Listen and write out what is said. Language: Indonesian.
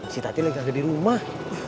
si taty lagi aja di rumah